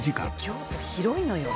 京都広いのよ。